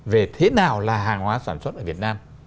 về thế nào là hàng hóa sản xuất ở việt nam